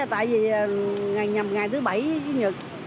tại vì ngày thứ bảy thứ nhật